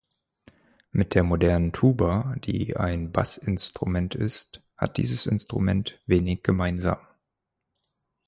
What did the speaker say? Mit der modernen Tuba, die ein Bassinstrument ist, hat dieses Instrument wenig gemeinsam.